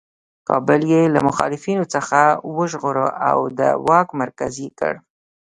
کابل یې له مخالفینو څخه وژغوره او د واک مرکز یې کړ.